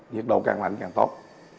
nhiệt độ càng mạnh càng tốt